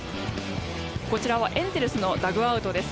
こちらはエンゼルスのダッグアウトです。